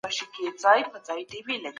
په خپل کار کي اخلاص ولره.